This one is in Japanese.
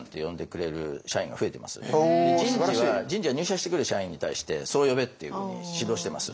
人事は入社してくる社員に対してそう呼べっていうふうに指導してます。